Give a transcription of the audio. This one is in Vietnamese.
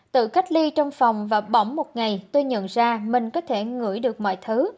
tự cách ly trong phòng và bỏng một ngày tôi nhận ra mình có thể ngửi được mọi thứ